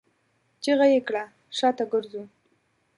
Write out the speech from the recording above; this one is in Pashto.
چيغه يې کړه! شاته ګرځو!